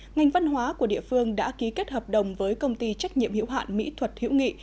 ngành văn hóa của địa phương đã ký kết hợp đồng với công ty trách nhiệm hiệu hạn mỹ thuật hữu nghị